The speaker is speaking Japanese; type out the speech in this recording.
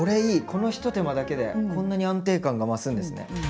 このひと手間だけでこんなに安定感が増すんですね。